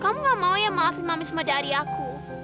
kamu gak mau ya maafin mami sama dari aku